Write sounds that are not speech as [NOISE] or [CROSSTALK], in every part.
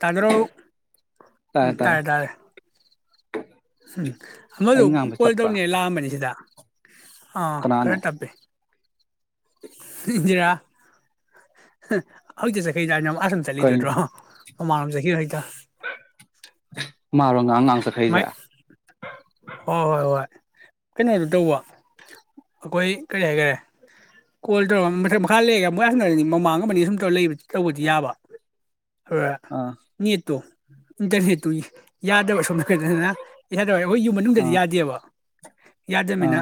ꯇꯥꯗꯔꯣ ꯇꯥꯔꯦ ꯇꯥꯔꯦ ꯇꯔꯦ ꯇꯔꯦ ꯎꯝ ꯑꯃꯁꯗꯨ ꯑꯩ ꯉꯥꯡꯕꯁꯤ ꯀꯣꯜ ꯇꯞꯄ꯭ꯔꯥ ꯇꯧꯅꯤ ꯂꯥꯛꯑꯝꯕꯅꯤ ꯁꯤꯗ ꯑ ꯀꯅꯥꯅꯣ ꯀꯔꯦꯠꯄꯤꯦ ꯏꯖꯔ ꯍꯧ ꯆꯁꯦꯈꯩꯅ ꯑꯁꯟ ꯀꯔꯤꯅꯣ ꯆꯂꯤꯗꯣꯠ꯭ꯔꯣ ꯃꯃꯥꯟꯖꯍꯤꯔ ꯍꯩꯗ ꯎ ꯃꯥꯔꯣ ꯉꯍꯥꯡ ꯉꯥꯡ ꯃꯥꯏ ꯆꯠꯈꯩꯁꯦ ꯀꯩꯅꯣꯗꯨꯣ ꯇꯧꯕ ꯑꯩꯈꯣꯏ ꯀꯔꯤ ꯍꯥꯏꯈꯔꯦ ꯀꯣꯜ ꯇꯧꯔ ꯃꯊꯛ ꯃꯈꯥ ꯂꯩꯔꯒ ꯃꯣꯏ ꯁꯥꯟꯅꯔꯅꯤ ꯃꯃꯥꯡ ꯑꯃꯅꯤ ꯁꯨꯝ ꯇꯧ ꯂꯩ ꯇꯧꯕꯗꯤ ꯌꯥꯕ ꯍ ꯑꯥ ꯅ ꯇꯣ ꯏꯇꯔ ꯍꯦ ꯇꯨꯏ ꯌꯥꯗꯕ ꯁꯣꯝꯗ [UNINTELLIGIBLE] ꯌꯥꯗꯕ ꯑꯩꯈꯣꯏ ꯌꯨꯝ ꯃꯅꯨꯡꯗꯗꯤ ꯑꯥ ꯌꯥꯗꯦꯕ ꯌꯥꯖꯃꯤꯅ ꯑꯥ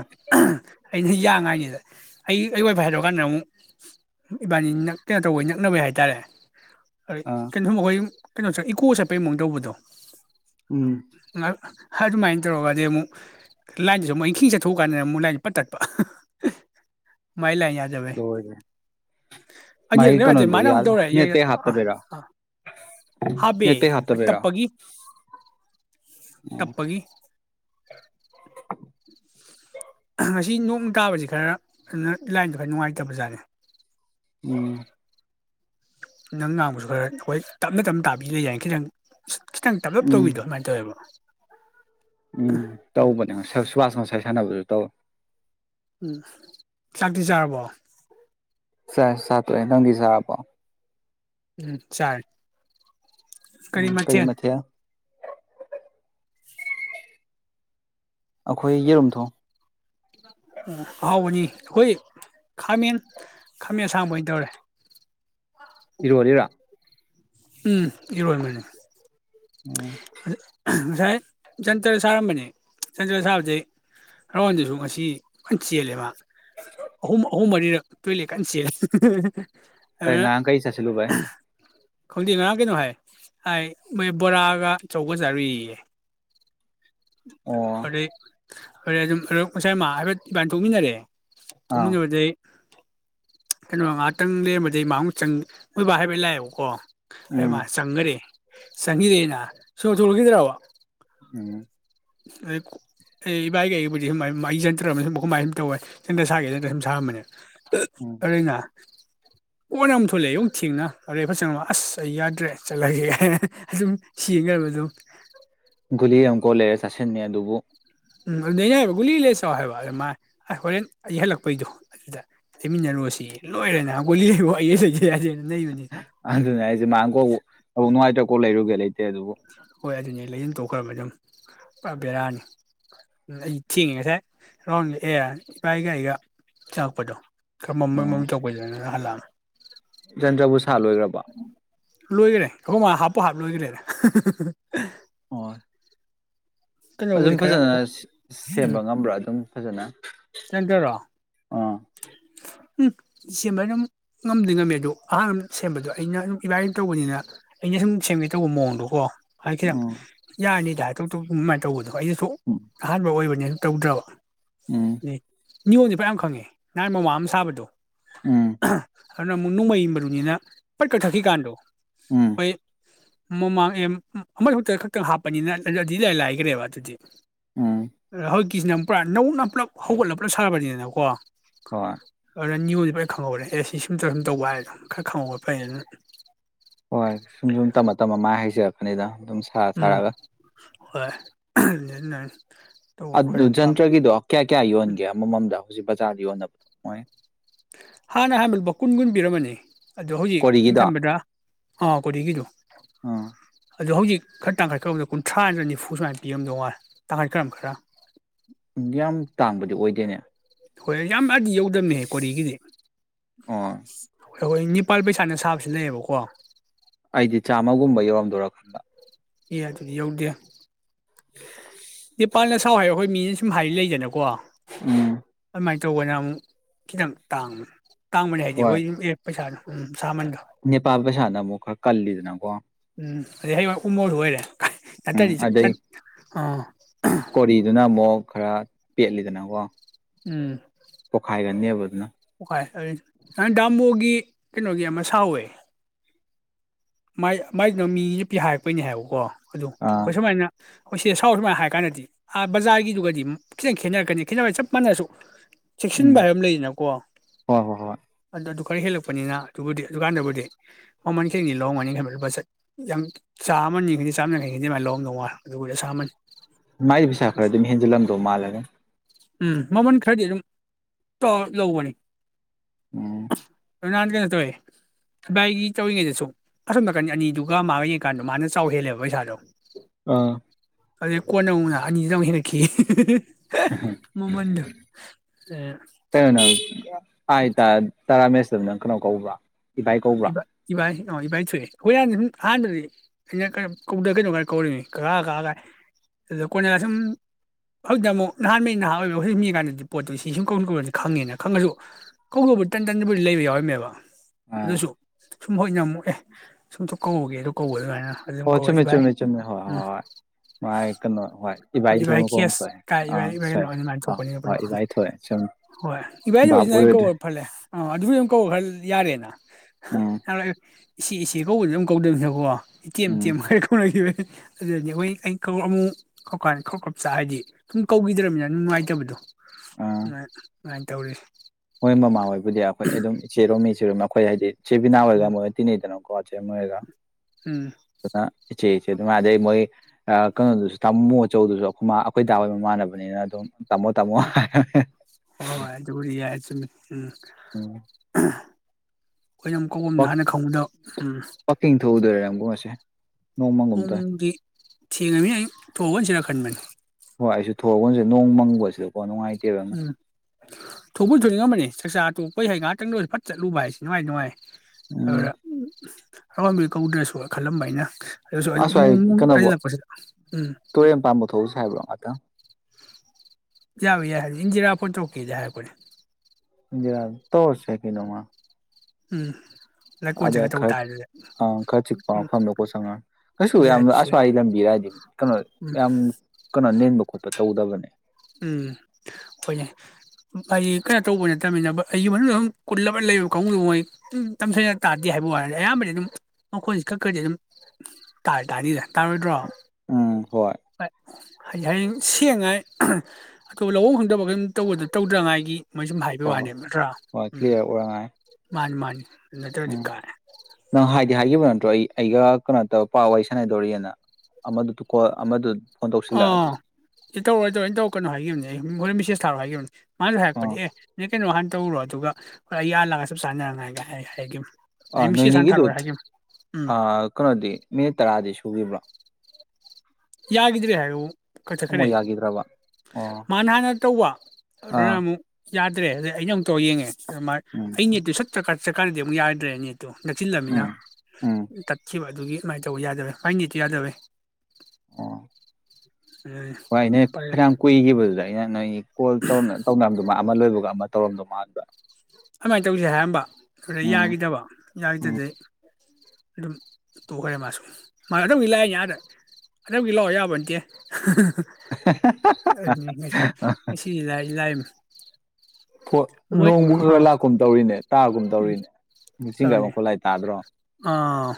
ꯑꯩꯅ ꯌꯥꯥꯡꯉꯥꯏꯉꯩꯗ ꯑꯩ ꯑꯩ ꯑꯣꯏꯕ [UNINTELLIGIBLE] ꯀꯥꯟꯗ ꯑꯃꯨꯛ ꯏꯕꯥꯅꯤ ꯅꯛ ꯇꯧꯕꯩ ꯅꯛꯅꯕꯩ ꯍꯥꯏꯇꯥꯔꯦ ꯑꯥ [UNINTELLIGIBLE] ꯀꯩꯅꯣ ꯆꯠ ꯏꯀꯣ ꯆꯠꯄꯩ ꯃꯑꯣꯡ ꯇꯧꯕꯗꯣ ꯎꯝ ꯑ ꯑꯗꯨꯃꯥꯏꯅ ꯇꯧꯔꯒꯗꯤ ꯑꯃꯨꯛ ꯂꯥꯏꯟꯗꯨꯁꯨ ꯑꯃꯨꯛ ꯏꯪꯈꯤꯡ ꯆꯠꯊꯣꯛꯑ ꯀꯥꯟꯗ ꯑꯃꯨꯛ ꯂꯥꯏꯟ ꯄꯠ ꯇꯠꯄ ꯃꯥꯏꯂ ꯌꯥꯖꯕ ꯂꯣꯏꯔꯦ ꯃꯥꯏ [UNINTELLIGIBLE] ꯀꯩꯅꯣꯗꯣ ꯃꯥꯅ ꯑꯃꯨꯛ ꯌꯥꯗꯦ ꯇꯧꯔꯦ ꯅꯦꯠꯄꯦꯛ ꯍꯥꯞꯇꯕꯩꯔꯣ ꯍꯥꯞꯄꯦ ꯅꯦꯠꯄꯦꯛ ꯍꯥꯞꯇꯕꯩꯔꯣ ꯇꯞꯄꯒꯤ ꯎꯝ ꯇꯞꯄꯒꯤ [INAUDIBLE] ꯉꯁꯤ ꯅꯣꯡ ꯇꯥꯕꯁꯤ ꯈꯔ ꯑꯗꯨꯅ ꯂꯥꯏꯟꯗꯣ ꯈꯔ ꯅꯨꯡꯉꯥꯏꯇꯕ ꯖꯥꯠꯅꯤ ꯎꯝ ꯅꯪ ꯉꯥꯡꯕꯁꯨ ꯈꯔ ꯑꯩꯈꯣꯏ ꯇꯞꯅ ꯇꯞꯅ ꯇꯥꯕꯤ ꯌꯥꯏ ꯈꯤꯇꯪ ꯈꯤꯇꯪ ꯇꯞꯂꯞ ꯎꯝ ꯇꯧꯕꯤꯗꯣ ꯑꯗꯨꯃꯥꯏꯅ ꯇꯧꯋꯦꯕ ꯎꯝ ꯎꯝ ꯇꯧꯕꯅꯦ ꯁ꯭ꯋꯥꯁ ꯉꯁꯥꯏ ꯁꯥꯟꯅꯕꯁꯨ ꯇꯧꯋꯦ ꯎꯝ ꯆꯥꯛꯇꯤ ꯆꯥꯔꯕꯣ ꯆꯥꯔꯦ ꯆꯥ ꯇꯣꯛꯑꯦ ꯅꯪꯗꯤ ꯆꯥꯔꯕꯣ ꯎꯝ ꯆꯥꯔꯦ ꯎꯝ ꯀꯔꯤ ꯃꯊꯦꯜ ꯑꯩꯈꯣꯏ ꯌꯦꯔꯨꯝꯊꯣꯡ ꯑꯣ ꯑꯍꯥꯎꯕꯅꯤ ꯑꯩꯈꯣꯏ ꯈꯥꯃꯦꯟ ꯈꯥꯃꯦꯟ ꯁꯥꯡꯕ ꯑꯣꯏꯅ ꯇꯧꯔꯦ ꯏꯔꯣꯜꯂꯤꯔꯥ ꯎꯝ ꯏꯔꯣꯝꯕꯅꯦ ꯎꯝ [UNINTELLIGIBLE] ꯉꯁꯥꯏ ꯖꯟꯇꯔ ꯁꯥꯔꯝꯕꯅꯦ ꯖꯟꯇꯔ ꯁꯥꯕꯁꯦ ꯔꯥꯎꯣꯟꯗꯁꯨ ꯉꯁꯤ ꯐꯟ ꯆꯦꯜꯂꯦ ꯃꯥ ꯑꯍꯨꯝ ꯑꯍꯨꯝ ꯃꯔꯤꯔꯛ ꯇꯨꯏꯂꯦ ꯀꯟꯆꯦꯜ ꯂꯦ ꯀꯩ ꯉꯥꯡ ꯀꯩ ꯆꯠꯁꯂꯨꯚꯥꯏ ꯈꯪꯗꯦ ꯉꯔꯥꯡ ꯀꯩꯅꯣ ꯍꯥꯏ ꯍꯥꯏ ꯃꯣꯏ ꯕꯣꯔꯥꯒ ꯆꯧꯒ ꯆꯥꯔꯨꯏꯌꯦꯌꯦ ꯑꯣ [UNINTELLIGIBLE] ꯍ ꯑꯗꯨꯝ ꯉꯁꯥꯏ ꯃꯥ ꯍꯥꯏꯐꯦꯠ ꯏꯕꯥꯥꯟ ꯊꯣꯛꯃꯤꯟꯅꯔꯦ ꯑꯥ ꯊꯣꯛꯃꯤꯟꯅꯕꯗꯩ ꯀꯩꯅꯣ ꯉꯍꯥꯛꯇꯪ ꯂꯦꯝꯕꯗꯩ ꯃꯥ ꯑꯃꯨꯛ ꯆꯪ ꯃꯣꯏꯕꯥ ꯍꯥꯏꯕꯩ ꯂꯥꯛꯑꯦꯕꯀꯣ ꯎꯝ ꯑꯦꯃ ꯁꯪꯒꯔꯤ ꯁꯉꯗꯦꯅ ꯁꯤꯁꯨ ꯍꯂꯒꯗ꯭ꯔꯋꯥ ꯎꯝ ꯑꯗ ꯑꯩ ꯏꯕꯥꯏꯒꯩ ꯑꯩꯕꯨꯗꯤ ꯁꯃꯥꯏ ꯑꯩꯖꯟꯇ꯭ꯔꯅ ꯁꯨꯝ ꯀꯃꯥꯏꯅ ꯁꯨꯝ ꯇꯧꯋꯦ ꯖꯟꯗ꯭ꯔ ꯁꯥꯒꯦꯖꯟꯇ꯭ꯔ ꯁꯨꯝ ꯁꯥꯝꯕꯅꯦ ꯎꯝ ꯑꯔꯤꯅ ꯑꯣꯅ ꯑꯃꯨꯛ ꯊꯣꯛꯂꯛꯑꯦ ꯑꯃꯨꯛ ꯊꯦꯡꯅ ꯑꯗꯨꯔꯦ ꯐ ꯆ ꯑꯁ ꯑꯩ ꯌꯥꯗ꯭ꯔꯦ ꯆꯠꯂꯒꯦ ꯑꯗꯨꯝ ꯌꯦꯦꯡꯈ꯭ꯔꯕ ꯑꯗꯨꯝ ꯒꯨꯂꯤ ꯑꯃꯨꯛꯀꯣ ꯂꯩꯔꯦ ꯆꯥꯁꯤꯟꯟꯅ ꯑꯗꯨꯕꯨ ꯎꯝ ꯑꯗꯨꯩꯅ ꯍꯥꯏꯕ ꯒꯨꯂꯤ ꯂꯩ ꯆꯥꯎ ꯍꯥꯏꯕ ꯑ ꯃꯥ ꯑꯁ ꯍꯣꯔꯦꯟ ꯑꯩ ꯍꯜꯂꯛꯄꯩꯗꯣ ꯑꯗꯨꯗ ꯂꯩꯃꯤꯟꯅꯔꯨꯔꯁꯤ ꯂꯣꯏꯔꯦꯅꯦ ꯒꯨꯂꯤ ꯂꯩ ꯑꯩꯁꯨꯒꯦ ꯑꯗꯨꯅꯦ ꯑꯩꯁꯦ ꯃꯥꯥꯡꯪꯀꯣ ꯅꯨꯡꯉꯥꯏꯇꯕ ꯀꯣꯛ ꯂꯩꯔꯨꯒꯦ ꯂꯩꯇꯦ ꯑꯗꯨꯕꯨ ꯍꯣꯏ ꯑꯗꯨꯅꯤ ꯂꯩꯁꯤꯟ ꯇꯣꯛꯈ꯭ꯔꯕ ꯑꯗꯨꯝ ꯕꯦꯔꯥꯅꯤ ꯑꯩ ꯊꯦꯡꯉꯤ ꯉꯁꯥꯏꯥꯎ ꯑꯦ ꯏꯄꯥꯥꯏꯒ ꯑꯩꯒ ꯆꯉꯛꯄꯗꯣ ꯀꯔ ꯃ ꯃꯝ ꯇꯧꯒꯩꯥꯅ ꯅꯪꯜꯂꯛꯒ ꯖꯟꯗ꯭ꯔꯕꯨ ꯁꯥ ꯂꯣꯏꯈ꯭ꯔꯕ ꯂꯣꯏꯈꯔꯦ ꯀꯈꯪ ꯃꯥ ꯍꯥꯞꯄꯨ ꯍꯥꯞ ꯂꯣꯏꯈꯔꯦꯗ ꯑꯗꯨ ꯑꯣ ꯑꯗꯨꯝ ꯀꯩꯅꯣꯕꯨꯗꯤ ꯈꯔ ꯐꯖꯅ ꯎꯝ ꯁꯦꯝꯕ ꯉꯝꯕ꯭ꯔꯥ ꯑꯗꯨꯝ ꯐꯖꯅ ꯁꯤꯂꯤꯟꯗꯔꯔꯣ ꯑꯥ ꯎꯝ ꯁꯦꯝꯕ ꯑꯗꯨꯝ ꯉꯝꯗꯤꯗꯤ ꯉꯝꯃꯦ ꯑꯗꯣ ꯑꯍꯥꯡ ꯁꯦꯝꯕꯗꯣ ꯑꯩꯅ ꯑꯗꯨꯝ ꯏꯕꯥꯥꯏꯅ ꯇꯧꯕꯅꯤꯅ ꯑꯩꯅ ꯁꯨꯝ ꯁꯦꯝꯒꯦ ꯇꯧꯕ ꯃꯑꯣꯡꯗꯣ ꯀꯣ ꯍꯥꯏ ꯈꯤꯇꯪ ꯎꯝ ꯌꯥꯅꯤꯗ ꯍꯥꯏꯇ ꯀꯃꯥꯏꯅ ꯇꯧꯕꯗꯣ ꯑꯩꯅꯁꯨ ꯎꯝ ꯑꯍꯥꯟꯕ ꯑꯣꯏꯕ ꯀꯩꯅꯁꯨ ꯇꯧꯗ꯭ꯔꯕ ꯎꯝ ꯅꯤꯉꯣꯅꯤ ꯄꯄꯥꯥ ꯌꯥꯝ ꯈꯪꯉꯦ ꯅꯍꯥꯟ ꯃꯃ ꯑꯃ ꯁꯥꯕꯗꯣ ꯑꯝ ꯑꯗꯨꯅ ꯑꯃꯨꯛ ꯅꯣꯡꯃꯩ ꯃꯔꯨꯅꯤꯅ ꯄꯠꯀ ꯊꯛꯈꯤꯀꯥꯟꯗꯣ ꯎꯝ ꯃꯃꯥꯡ ꯑ ꯑꯃꯈꯨꯛꯇ ꯈꯛꯇꯪ ꯍꯥꯞꯄꯅꯤꯅ ꯑꯗꯨꯗꯤ ꯂ ꯂꯥꯏꯈ꯭ꯔꯦꯕ ꯑꯗꯨꯗꯤ ꯎꯝ ꯔꯣ ꯀꯁ ꯅꯝ ꯄꯨꯔꯥ ꯅꯧꯅ ꯄꯨꯂꯞ ꯍꯧꯒꯠꯂꯒ ꯄꯨꯂꯞ ꯁꯥꯕꯅꯤꯗꯅꯀꯣ ꯍꯣꯏ ꯑ ꯈꯪꯍꯧꯧꯕꯔꯦ ꯑꯦ ꯁꯤ ꯁꯨꯝꯇꯧ ꯁꯨꯝ ꯇꯧꯕ ꯍꯥꯏꯗꯣ ꯈꯔ ꯈꯪꯍꯧꯕ ꯐꯩ ꯑꯗꯨꯅ ꯍꯣꯏ ꯁꯨꯝ ꯁꯨꯝ ꯇꯝꯃ ꯇꯝꯃ ꯃꯥꯥꯏ ꯍꯥꯏꯖꯔꯛꯄꯦ ꯑꯗ ꯎꯝ ꯍꯣꯏ ꯇꯧꯕ ꯑꯗꯨ ꯈꯣꯠꯄ ꯄꯥꯝꯃꯦ ꯖꯟꯇ꯭ꯔꯒꯤꯗꯣ ꯀꯌꯥ ꯀꯌꯥ ꯎꯝ ꯌꯣꯟꯒꯦ ꯑꯃꯃꯝꯗ ꯍꯧꯖꯤꯛ ꯕꯖꯥꯔꯗ ꯌꯣꯟꯅꯕꯗꯣ ꯃꯣꯏ ꯍꯥꯟꯅ ꯍꯥꯏꯔꯝꯕ ꯂꯨꯄꯥ ꯀꯨꯟꯀꯨꯟ ꯄꯤꯔꯝꯕꯅꯦ ꯑꯗꯣ ꯍꯧꯖꯤꯛ ꯑꯩꯅ ꯀꯣꯔꯤꯒꯤꯗꯣ ꯈꯟꯕꯗꯥ ꯑꯥ ꯀꯣꯗꯤꯒꯤꯗꯣ ꯎꯝ ꯑꯗꯣ ꯍꯧꯖꯤꯛ ꯈꯔ ꯇꯪꯈꯥꯠ ꯈꯔꯕꯗ ꯑꯃꯗ ꯀꯨꯟꯊ꯭ꯔꯥ ꯌꯅꯠꯇ꯭ꯔꯒ ꯅꯤꯐꯨ ꯁꯨꯃꯥꯏꯅ ꯄꯤꯔꯝꯗꯧ ꯃꯥꯜꯂꯦ ꯇꯥꯡꯈꯥꯏꯠ ꯈꯔ ꯈꯔ ꯌꯥꯝ ꯇꯥꯡꯕꯗꯤ ꯑꯣꯏꯗꯦꯅꯦ ꯍꯣꯏ ꯌꯥꯝ ꯑꯥꯗꯤ ꯌꯧꯗꯝꯅꯤꯍꯦ ꯀꯣꯔꯤꯒꯤꯗꯤ ꯑꯣ ꯑꯩꯈꯣꯏ ꯅꯤꯄꯥꯜ ꯄꯩꯁꯥꯅ ꯁꯥꯕꯁꯨ ꯂꯩꯌꯦꯕꯀꯣ ꯗꯔꯥ ꯈꯥꯟꯅ [INAUDIBLE] ꯑꯦ ꯑꯗꯨꯗꯤ ꯌꯧꯗꯦ ꯅꯤꯄꯥꯟꯅ ꯁꯥꯎ ꯍꯥꯏꯌꯣ ꯑꯩꯈꯣꯏ ꯃꯤ ꯁꯨꯝ ꯍꯥꯏꯗꯤ ꯂꯩꯗꯅꯀꯣ ꯎꯝ ꯁꯨꯃꯥꯏꯅ ꯇꯧꯕꯅ ꯑꯃꯨꯛ ꯈꯤꯇꯪ ꯇꯥꯡꯕꯅꯦ ꯇꯥꯡꯕꯅꯤ ꯍꯥꯏꯗꯤ ꯍꯣꯏ ꯑꯩꯈꯣꯏ ꯄꯩꯁꯥꯅꯣ ꯎꯝ ꯁꯥꯃꯟꯗꯣ ꯅꯦꯄꯥꯜ ꯄꯩꯁꯥꯅ ꯑꯃꯨꯛ ꯈꯔ ꯀꯜꯂꯤꯗꯅꯀꯣ ꯑꯩ ꯍꯕ [INAUDIBLE] ꯎꯃꯣꯔ ꯑꯣꯏꯔꯦ ꯎꯝ ꯑꯠꯇꯗꯤꯁ ꯑꯗꯩ [INAUDIBLE] ꯑꯥ ꯀꯣꯔꯤꯗꯨꯅ ꯑꯃꯨꯛ ꯈꯔ ꯄꯦꯠꯂꯤꯗꯅꯀꯣ ꯎꯝ ꯄꯣꯈꯥꯏꯒꯟꯗꯦꯕ ꯑꯗꯨꯅ ꯍꯣꯏ ꯑꯗꯨ ꯅꯥꯍꯥꯟ ꯗꯥꯃꯣꯒꯤ ꯀꯩꯅꯣꯒꯤ ꯑꯃ ꯁꯥꯍꯧꯋꯦ ꯃꯥꯏꯗꯣ ꯃꯤꯒꯤ ꯅꯨꯄꯤ ꯍꯥꯏꯔꯛꯄꯩꯅꯦ ꯍꯥꯏꯕꯀꯣ ꯑꯗꯣ ꯑꯥ ꯑꯩꯈꯣꯏ ꯁꯨꯃꯥꯏꯅ ꯑꯩꯈꯣꯏ ꯁꯤ ꯁꯥꯎ ꯁꯨꯃꯥꯏꯅ ꯍꯥꯏꯔ ꯀꯥꯟꯗꯗꯤ ꯕꯖꯥꯔꯒꯤꯗꯨꯒꯗꯤ ꯈꯤꯇꯪ ꯈꯦꯠꯅꯔꯛꯀꯅꯤ ꯈꯦꯠꯅꯕ ꯍꯥꯏꯁꯦ ꯆꯞ ꯃꯥꯟꯅꯔꯁꯨ ꯎꯝ ꯆꯦꯛꯁꯤꯟꯕ ꯍꯥꯏꯕ ꯑꯃ ꯂꯩꯗꯅꯀꯣ ꯍꯣꯏ ꯍꯣꯏ ꯍꯣꯏ ꯑꯗ ꯑꯗꯨ ꯈꯔ ꯍꯦꯜꯂꯛꯄꯅꯤꯅ ꯑꯗꯨꯕꯨꯗꯤ ꯑꯗꯨꯀꯥꯟꯗꯕꯨꯗꯤ ꯃꯃꯜ ꯈꯤꯇꯡꯗꯤ ꯂꯧꯔꯝꯒꯅꯤ ꯑꯩꯅ ꯈꯪꯕ ꯂꯨꯄꯥ ꯌꯥꯝ ꯆꯥꯝꯃꯅꯤ ꯈꯪꯗꯦ ꯆꯥꯝ ꯌꯥꯡꯈꯩ ꯈꯪꯗꯤ ꯑꯗꯨꯃꯥꯏꯅ ꯂꯔꯝꯗꯧ ꯃꯥꯜꯂꯦ ꯑꯗꯨꯒꯕꯨ ꯑꯁꯥꯃꯟꯅꯤ ꯃꯥꯥꯏꯒꯤ ꯄꯩꯁꯥ ꯈꯔ ꯑꯗꯨꯝ ꯍꯦꯟꯖꯜꯂꯝꯗꯧ ꯃꯥꯜꯂꯦ ꯑꯗꯨꯝ ꯎꯝ ꯃꯃꯟ ꯈꯔꯗꯤ ꯑꯗꯨ ꯇꯧꯔ ꯂꯧꯕꯅꯤ ꯎꯝ ꯔꯣꯅꯥꯜ ꯀꯩꯅꯣ ꯇꯧꯋꯦ ꯕꯥꯏꯒꯤ ꯇꯧꯔꯤꯉꯩꯗꯁꯨ ꯑꯁꯣꯝ ꯅꯥꯀꯟ ꯑꯅꯤꯗꯨꯒ ꯃꯥꯒ ꯌꯦꯡꯅꯀꯥꯟꯗ ꯃꯥꯅ ꯆꯥꯎ ꯍꯦꯜꯂꯦꯕ ꯄꯩꯁꯥꯗꯣ ꯑꯥ ꯑꯗꯨꯗꯩ ꯀꯣꯟꯅ ꯑꯃꯨꯛ ꯑꯅꯤꯗꯨꯅ ꯑꯃꯨꯛ ꯍꯦꯟꯒꯛꯈꯤꯌꯦ [UNINTELLIGIBLE] ꯃꯃꯥꯟ ꯗꯣ ꯀꯩꯅꯣ ꯅꯪ [INAUDIBLE] ꯑꯥꯏ ꯇ ꯁꯥꯔ ꯔꯥꯃꯦꯁꯅ ꯅꯪ ꯀꯩꯅꯣ ꯀꯧꯕ꯭ꯔꯥ ꯏꯚꯥꯏ ꯀꯧꯕ꯭ꯔꯥ ꯏꯕꯥ ꯏꯕꯥꯏ [UNINTELLIGIBLE] ꯑꯥ ꯑꯗꯨꯁꯨ ꯁꯨꯝ ꯍꯣꯏꯅ ꯑꯃꯨꯛ ꯑꯦ ꯁꯨꯝ ꯀꯧꯒꯦꯗꯣ ꯀꯧ ꯑꯗꯨꯃꯥꯏꯅ ꯑꯗꯨꯝ ꯍꯣꯏ ꯀꯧꯔ ꯆꯨꯝꯃꯦ ꯏꯕꯥꯏ ꯆꯨꯝꯃꯦ ꯆꯨꯝꯃꯦ ꯍꯣꯏ ꯎꯝ ꯍꯣꯏ ꯍꯣꯏ ꯃꯥꯥꯏ ꯀꯩꯅꯣ ꯏꯚꯥꯏ ꯍꯣꯏ ꯀꯧ ꯏꯕꯥꯏ ꯀꯧꯕ ꯀꯦꯁ ꯊꯣꯛꯑꯦ ꯀꯥꯏ ꯑꯥ ꯏꯕꯥ ꯁꯣꯏ ꯑꯥ ꯍꯣꯏ ꯏꯚꯥꯏ ꯊꯣꯛꯑꯦ ꯁꯨꯝ ꯚꯥꯞ ꯑꯣꯏꯔꯨꯗ꯭ꯔꯦ [UNINTELLIGIBLE] ꯌꯥꯔꯦꯅ ꯎꯝ [UNINTELLIGIBLE] ꯏꯆꯦ ꯏꯆꯦ ꯀꯧ [UNINTELLIGIBLE] ꯏꯆꯦꯝ ꯎꯝ ꯏꯆꯦꯝ ꯍꯥꯏꯔ ꯀꯧꯅꯈꯤꯕꯩ ꯑꯗꯨꯗꯗꯤ ꯍꯣꯏ ꯑꯩ ꯑꯃꯨꯛ ꯀꯧꯀꯥꯟ [UNINTELLIGIBLE] ꯍꯥꯏꯗꯤ ꯁꯨꯝ ꯀꯧꯈꯤꯗ꯭ꯔꯝꯅꯤꯅ ꯅꯨꯡꯉꯥꯏꯇꯕꯗꯣ [UNINTELLIGIBLE] ꯁꯨꯃꯥꯏꯅ ꯇꯧꯔꯤ ꯍꯣꯏ ꯃꯃꯥ ꯍꯣꯏꯕꯨꯗꯤ ꯑꯩꯈꯣꯏ ꯑꯩꯗꯨꯝ ꯏꯆꯦꯔꯣꯝ ꯏꯆꯦꯔꯣ ꯑꯩꯈꯣꯏ ꯍꯥꯏꯗꯤ ꯆꯦꯕꯤꯅꯥ ꯑꯣꯏꯔꯒ ꯎꯝ ꯃꯣꯏ ꯇꯤꯟꯅꯩꯗꯅ ꯀꯣꯆꯦ ꯎꯝ ꯏꯆꯦ ꯏꯆꯦ ꯑꯗꯨꯃꯥꯏ ꯑꯗꯩ ꯃꯣꯏ ꯀꯩꯅꯣꯗꯨꯁꯨ ꯇꯥꯃꯣ ꯑꯆꯧꯗꯨꯁꯨ ꯑꯩꯈꯣꯏꯃꯥ ꯑꯩꯈꯣꯏ ꯗꯥ ꯍꯣꯏ ꯃꯃꯥꯟꯅꯕꯅꯤꯅ ꯑꯗꯨꯝ ꯇꯥꯃꯣ ꯇꯥꯃꯣ ꯍ ꯍꯣꯏ ꯍꯣꯏ ꯑꯗꯨꯕꯨꯗꯤ ꯌꯥꯏ [UNINTELLIGIBLE] ꯎꯝ ꯑꯩꯈꯣꯏ ꯌꯥꯝꯝ ꯀꯥꯎꯑꯝꯅꯤ ꯍꯥꯏꯅ ꯈꯪꯕꯗ ꯎꯝ ꯋꯥꯛꯀꯤꯡ [UNINTELLIGIBLE] ꯄꯨꯡ ꯇꯧꯋꯦ ꯗꯤ [UNINTELLIGIBLE] ꯍꯣꯏ ꯑꯩꯁꯨ ꯊꯣꯛꯑꯒꯨꯝ ꯁꯤꯔꯥ ꯅꯣꯡ ꯃꯪꯕꯁꯤꯗꯀꯣ ꯅꯨꯡꯉꯥꯏ ꯇꯦꯕ ꯊꯣꯛꯄꯨ ꯊꯣꯛꯅꯤꯡꯉꯝꯕꯅꯤ ꯆꯥꯛꯆꯥ ꯇꯣꯛꯄꯩ ꯍꯩ ꯉꯍꯥꯛꯇꯪ ꯂꯣꯏꯔꯁꯨ ꯐꯠ ꯆꯠꯂꯨꯕ ꯍꯥꯏꯁꯤ ꯅꯨꯡꯉꯥꯏ ꯅꯨꯡꯉꯥꯏ ꯎꯝ [UNINTELLIGIBLE] [UNINTELLIGIBLE] ꯀꯧꯗ꯭ꯔꯁꯨ ꯈꯜꯂꯝꯕ ꯑꯩꯅ ꯑꯗꯨꯁꯨ ꯑꯁ꯭ꯋꯥꯏ [UNINTELLIGIBLE] ꯀꯩꯅꯣꯕꯨ ꯍꯥꯏꯖꯤꯜꯂꯛꯄꯁꯤꯗ ꯎꯝ ꯇꯨꯔꯦꯟ ꯄꯥꯟꯕ ꯊꯣꯛꯎꯁꯦ ꯍꯥꯏꯕ꯭ꯔꯣ [UNINTELLIGIBLE] ꯌꯥꯎ ꯌꯥꯎ ꯏꯟꯖꯤꯔꯥ꯫ ꯐꯣꯟ ꯇꯧꯔꯛꯀꯦꯗꯤ ꯍꯥꯏꯕꯅꯤ ꯫ ꯖꯔ ꯇꯧꯔꯁꯨ ꯌꯥꯏ ꯀꯩꯅꯣ ꯑꯃ ꯫ ꯎꯝ꯫ ꯂꯩꯀꯣꯟ ꯑꯗꯨ ꯆꯪꯉ ꯇꯧ ꯈꯔ ꯇꯥꯔꯦ ꯑꯗꯨꯗꯤ ꯑꯪ ꯈꯔ ꯆꯤꯛꯄ ꯎꯝ ꯃꯐꯝꯗꯣ ꯀꯣ ꯆꯪꯉ ꯀꯩꯁꯨ ꯌꯥꯝ ꯌꯥꯏ ꯁꯦ ꯑꯁꯨꯋꯥꯏꯒꯤ ꯂꯝꯕꯤꯔꯥꯏꯗꯤ ꯀꯩꯅꯣ ꯎꯝ ꯌꯥꯝ ꯀꯩꯅꯣ ꯅꯦꯟꯕ ꯈꯣꯠꯄ ꯇꯧꯗꯕꯅꯦ꯫ ꯑꯩ ꯀꯩꯅꯣ ꯇꯧꯕ ꯅꯠꯇꯕꯅꯤꯅ ꯑꯩꯒꯤ ꯃꯅꯨꯡꯗ ꯁꯨꯝ ꯀꯨꯜꯂꯕ ꯂꯩꯕ ꯀꯪꯒꯨꯗꯨ ꯃꯣꯏ꯫ ꯇꯝꯊꯣꯏꯅ ꯇꯥꯗꯦ ꯍꯥꯏꯕ ꯋꯥꯅꯤ ꯑꯌꯥꯝꯕꯗꯤ ꯑꯗꯨꯝ ꯃꯈꯣꯟꯁꯤ ꯈꯔ ꯈꯔꯗꯤ ꯑꯗꯨꯝ ꯇꯥꯗꯤ - ꯇꯥꯅꯤꯗ ꯇꯥꯔꯣꯏꯗ꯭ꯔꯣ꯫ ꯎꯝ ꯍꯣꯏ꯫ ꯍ ꯍꯥꯏꯗꯤ ꯁꯦꯡꯉꯥꯏ ꯑꯇꯣꯞꯄ ꯂꯧꯕꯝ ꯈꯣꯗꯕ ꯀꯩꯒꯨꯝ ꯇꯧꯕꯗ ꯇꯧꯗꯅꯉꯥꯏꯒꯤ꯫ ꯃꯣꯏ ꯁꯨꯝ ꯍꯥꯏꯕ ꯍꯣꯏ ꯋꯥꯅꯦ ꯍꯣꯏ ꯅꯠꯇ꯭ꯔꯥ ꯍꯣꯏ ꯎꯝ ꯀ꯭ꯂꯤꯌꯥꯔ ꯑꯣꯏꯔꯉꯥꯏ ꯃꯥꯅꯤ ꯃꯥꯅꯤ꯫ [INAUDIBLE] ꯅꯠꯠꯔꯗꯤ ꯀꯥꯏ꯫ ꯍꯥꯏꯒꯤꯕꯣ꯫ ꯑꯩ ꯑꯩꯒ ꯀꯅꯣ ꯇꯧ꯫ ꯄꯄꯥ ꯋꯥꯔꯤ ꯁꯥꯟꯅꯗꯣꯔꯤꯑꯅ ꯑꯃꯗꯨꯗꯨ ꯀꯣꯜ ꯑꯃꯗꯨ꯫ ꯐꯣꯟ ꯇꯧꯁꯤꯜꯂꯛꯑꯗꯤ ꯑꯡ ꯇꯧꯔꯛꯑꯣꯏ - ꯑꯩꯇꯧꯔꯑꯣꯏ ꯑꯩꯅ ꯇꯧꯔꯛꯀꯅꯣ ꯍꯥꯏꯒꯤꯝꯅꯤ ꯍꯣꯔꯦꯟ ꯃꯤꯁꯦꯁ꯫ ꯊꯥꯔꯣꯛ ꯍꯥꯏꯒꯤꯝꯅꯤ꯫ ꯃꯥꯟꯁꯨ ꯑꯥ ꯍꯥꯏꯔꯛꯄꯅꯤꯍꯦ꯫ ꯀꯩꯅꯣ ꯍꯥꯟꯅ ꯇꯧꯔꯨꯔꯣ ꯑꯗꯨꯒ ꯑꯩꯑ ꯂꯛꯑ ꯆꯞ ꯆꯥꯟꯅꯉꯥꯏꯒ ꯍꯥꯏ ꯍꯥꯏꯒꯤꯝ꯫ ꯑ ꯅꯣꯏꯅꯤꯒꯤꯗꯨ ꯎꯝ ꯀꯩꯅꯣꯗꯤ ꯃꯤꯅꯤꯠ ꯇꯔꯥꯗꯤ ꯁꯨꯒꯤꯕ꯭ꯔꯣ꯫ ꯌꯥꯒꯤꯗ꯭ꯔꯦ ꯍꯥꯏꯔꯕꯨ꯫ ꯑꯃꯨꯛ ꯀꯛꯊꯈꯔꯦ ꯌꯥꯈꯤꯗ꯭ꯔꯕ ꯑꯣ ꯃꯥꯅꯍꯅ꯫ ꯇꯧꯕ꯫ ꯑꯗꯨꯅꯥ ꯑꯥ ꯑꯃꯨꯛ꯫ ꯌꯥꯗ꯭ꯔꯦ ꯑꯗꯩꯩ ꯑꯩꯅ ꯑꯃꯨꯛ ꯇꯧꯔꯌꯦꯡꯉꯦ꯫ ꯎꯝ [INAUDIBLE] ꯑꯩ ꯅꯦꯠꯇꯨ ꯁꯠ ꯫ ꯆꯠꯀꯟꯗꯗꯤ ꯑꯃꯨꯛ ꯌꯥꯗ꯭ꯔꯦꯅꯦ꯫ ꯅꯛꯆꯤꯜꯂꯃꯤꯅ ꯎꯝ ꯎꯝ ꯇꯠꯈꯤꯕ ꯑꯗꯨꯒꯤ꯫ ꯁꯨꯗꯨꯃꯥꯏ ꯇꯧꯕ ꯌꯥꯗꯕꯩ ꯃꯥꯏ ꯅꯦꯠꯁꯤ ꯌꯥꯗꯕꯩ꯫ ꯑꯗꯨꯅꯤ ꯍꯣꯏꯅꯩ ꯎꯄꯥꯏ ꯂꯩ ꯐꯅꯌꯥꯝ ꯀꯨꯏꯒꯤꯕꯗꯨꯗ꯫ ꯀꯩꯅꯣ ꯅꯣꯏꯒꯤ꯫ ꯀꯣꯜ ꯇꯧꯅ ꯇꯧꯅꯔꯃꯗꯣꯃꯜꯂꯤ ꯫ ꯑꯃ ꯂꯣꯏꯕꯒ ꯑꯃ ꯇꯧꯔꯝꯗꯣ ꯃꯟꯕ꯫ ꯑꯗꯨꯃꯥꯏꯅ ꯇꯧꯁꯤ ꯍꯥꯏꯔꯝꯕ꯫ ꯑꯗꯨꯒ ꯌꯥꯒꯤꯗꯕ ꯎꯝ ꯌꯥꯏꯗꯗꯩꯩ꯫ ꯗꯨꯝ ꯇꯣꯛꯈ꯭ꯔꯦ ꯃꯥꯁꯨ ꯃꯥꯁꯨ ꯑꯗꯨꯝꯗꯤ ꯂꯥꯛꯏꯅꯤ ꯑꯥꯗ ꯑꯇꯃꯛꯀꯤ ꯂꯥꯛꯑꯣ ꯌꯄꫭꯟꯇ‌ꯦ꯫ ꯑꯗꯨꯅꯤ ꯑꯁꯤꯗꯤ ꯂꯥꯏ ꯂꯥꯝ꯫ ꯐꫭ ꯅꯣꯡꯃ꯫ ꯑꯥ ꯂꯥꯛꯀꯨꯝ ꯇꯧꯔꯤꯅꯦ ꯇ꯫ ꯒꯨꯝ ꯇꯧꯔꯤꯅꯦ ꯖꯤꯡꯒꯔ ꯑꯗꯨꯅꯤ ꯃꯈꯣꯠꯂꯥꯏ ꯇꯥꯗ꯭ꯔꯣ꯫ ꯑꯥ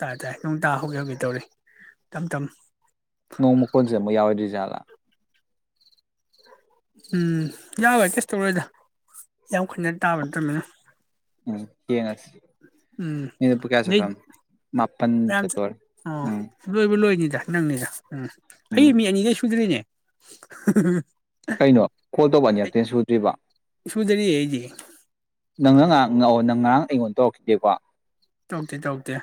ꯇꯥꯏ ꯇꯥꯏ ꯅꯨꯡꯗꯥꯥ ꯍꯧꯒꯦ ꯍꯧꯒꯦ ꯇꯧꯔꯤ ꯇꯝ ꯇꯝ꯫ ꯅꯣꯡꯃ ꯀꯣꯟꯁꯤ ꯑꯃꯨꯛ ꯌꯥꯎꯔꯗ꯭ꯔꯤꯖꯥꯠꯂ꯫ ꯎꯝ ꯌꯥꯔꯣꯏ ꯀꯩꯁ ꯇꯧꯔꯣꯏꯗ ꯌꯥꯝ ꯀꯅ ꯇꯥꯕ ꯅꯠꯇꯕꯅꯤꯅ꯫ ꯎꯝ ꯌꯦꯡꯉꯁꯤ ꯃꯤꯅꯠꯄꯨ ꯀꯌꯥ ꯆꯠꯈ꯭ꯔꯝ ꯃ꯫ ꯌꯥꯝ ꯑꯣ ꯂꯣꯏꯕ ꯂꯣꯏꯅꯤꯗ꯫ ꯅꯪꯅꯤꯗ꯫ ꯎꯝ ꯑꯩ ꯎꯝ ꯃꯤ ꯑꯅꯤꯗꯩ ꯁꯨꯗ꯭ꯔꯤꯅꯦ꯫ ꯫ ꯀꯩꯅꯣ ꯀꯣꯜ ꯇꯧꯕ ꯑꯅꯤꯔꯛꯇꯩ ꯍ‌ꯦꯟ ꯁꯨꯗ꯭ꯔꯤꯕꫭ꯫ ꯁꯨꯗꯔꯤ ꯑꯩꯗꯤ꯫ ꯑꯣ ꯅꯪ ꯉꯔꯥꯡ ꯑꯩꯉꯣꯟꯗ ꯇꯧꯔꯛꯈꯤꯗꯦꯀꫭ꯫ ꯇꯧꯔꯛꯇꯦ- ꯇꯧꯔꯛꯇꯦ꯫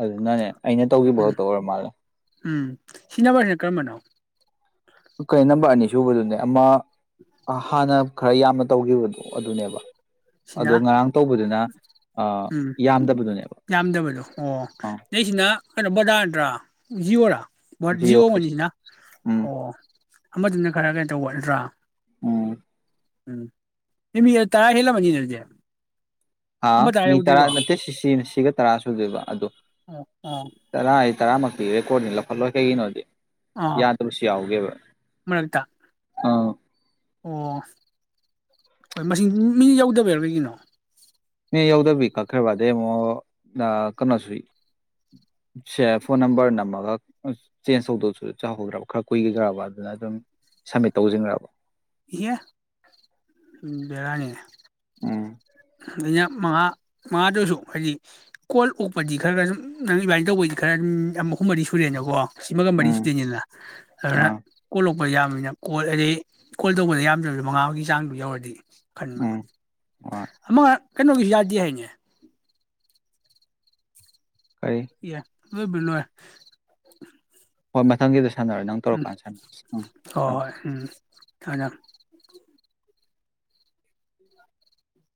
ꯑꯗꯨꯅꯅꯦ ꯑꯩꯅ ꯇꯧꯈꯤꯕ ꯎꯝ ꯈꯛꯇ ꯑꯣꯏꯔ ꯃꯥꯜꯂꯦ꯫ ꯎꯝ ꯁꯤ ꯅꯝꯕꯔꯁꯤꯅ ꯀꯔꯝꯕꯅꯣ꯫ ꯀꯩꯅ ꯅꯝꯕꯔ ꯑꯅꯤ ꯁꯨꯕꯗꯨꯅꯦ ꯑꯃ꯫ ꯑ ꯍꯥꯟꯅ꯫ ꯈꯔ ꯌꯥꯝꯅ ꯇꯧꯈꯤꯕꯗꯣ ꯑꯗꯨꯅꯦꯕ꯫ ꯁꯤꯅ ꯑꯗꯣ ꯉꯔꯥꯡ ꯇꯧꯕꯗꯨꯅ ꯎꯝ ꯌꯥꯝꯗꯕꯗꯨꯅꯦꯕ ꯌꯥꯝꯗꯕꯗꯣ ꯑꯣ ꯑꯥ ꯅꯩꯁꯤꯅ꯫ ꯕꯔꯗ ꯅꯠꯇ꯭ꯔꯥ ꯖꯤꯌꫭꯔ꯫ ꯖꯤꯑꯣ ꯃꯅꯤꯁꯤꯅ ꯎꯝ ꯑꯣ꯫ ꯑꯃꯗꯨꯅ ꯈꯔ ꯀꯩꯅ ꯇꯧꯕꯟꯇ꯭ꯔꯥ꯫ ꯎꯝ꯫ ꯎꯝ ꯑꯦ ꯃꯤ ꯇꯔꯥ ꯍ‌ꯦꯜꯂꯝꯃꯅꯤꯅ‌ꯦꯗꯨꯗꯤ꯫ ꯑꯥ ꯃꯤ ꯇꯔꯥ ꯅꯠꯇꯦ ꯁꯤ ꯁꯤꯒ ꯇꯔꯥ ꯁꯨꯗꯣꯏꯕ ꯑꯗꯣ ꯑꯣ ꯑꯣ ꯇꯔꯥ ꯍꯥꯏ꯫ ꯇꯔꯝꯛꯇꯤ ꯔꯦꯀꯣꯠꯇꯤ ꯂꯧꯍꯜꯂꫭꯗꯤ ꯀꯩꯒꯤꯅꫭꯗꯤ꯫ ꯑꯥ ꯌꯥꯗꯕꯁꯨ ꯌꯥꯎꯒꯤꯑꯦꯕ ꯃꯔꯛꯇ ꯑꯥ꯫ ꯑꯣ ꯍꯣꯏ ꯃꯁꯤꯡ ꯃꯤ ꯌꯧꯗꯕꯩꯔꫭ ꯀꯩꯒꯤꯅꯣ꯫ ꯅ‌ꯦ ꯌꯥꯎꯗꯕꯤ ꯀꯛꯈ꯭ꯔꯕ ꯑꯗꯩ ꯑꯃꯨꯛ ꯀꯩꯅꯣꯁꯨ ꯁꯦ ꯐꯣꯟ ꯅꯝꯕꯔ ꯅꯝꯃꯒ ꯆꯦꯟꯖ ꯇꯧꯗꯁꯨ ꯆꯍꯧꯗ꯭ꯔꯕ ꯈꯔ ꯀꯨꯏꯈꯤꯗ꯭ꯔꯕ ꯑꯗꯨꯅ ꯑꯗꯨꯝ ꯁꯝꯃꯤꯠ ꯇꯧꯁꯤꯟꯈ꯭ꯔꯕ꯫ ꯌꯦ ꯕꯦꯔꯥꯅꯤ꯫ ꯎꯝ ꯑꯩꯅ ꯃꯉꯥ, ꯃꯉꯥꯗꯨꯁꯨ ꯍꯥꯏꯗꯤ ꯀꯣꯜ ꯑꯣꯛꯄꯗꯤ ꯈꯔ ꯈꯔ ꯁꯨꯝ ꯅꯪ ꯑꯗꯨꯃꯥꯏꯅ ꯇꯧꯕꯩꯗꯤ ꯈꯔ ꯑꯃ ꯑꯍꯨꯝ ꯃꯔꯤ ꯁꯨꯔꯦꯅꯀꯣ꯫ ꯁꯤꯃꯒ ꯎꯝ ꯃꯔꯤꯁꯤꯗꯅꯤꯂꯥ ꯑꯗꯨꯅ ꯑꯥ ꯀꯣ ꯌꯥꯝꯕꯅꯤꯅ ꯀꯣꯜ ꯑꯩ ꯀꯣꯜ ꯇꯧꯕꯗ ꯌꯥꯝꯗ꯭ꯔꯕꯗ ꯃꯉꯥ ꯑꯃꯒꯤ ꯆꯥꯡꯗꯨ ꯌꯧꯔꯗꯤ ꯎꯝ ꯍꯣꯏ [UNINTELLIGIBLE] ꯑꯃ ꯀꯩꯅꯣꯒꯤ ꯌꯥꯗꯤ ꯍꯥꯏꯌꯦꯅꯦ꯫ ꯀꯩ? ꯂꯧꯕꯨ ꯂꯣꯏꯔꯦ꯫ ꯍꯣꯏ ꯃꯊꯪꯒꯤꯗ ꯁꯥꯟꯅꯔꯦ ꯅꯪ ꯇꯧꯔꯀꯥꯟꯗ ꯁꯥꯟꯅꯔꯁꯤ ꯎꯝ ꯊꯝꯃꯦ ꯍꯣꯏ ꯍꯣꯏ ꯫ ꯎꯝ [UNINTELLIGIBLE]